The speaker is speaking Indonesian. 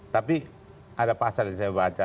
tapi ada pasal yang saya baca